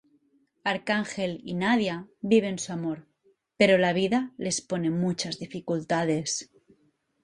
Arcángel y Nadia viven su amor, pero la vida les pone muchas dificultades.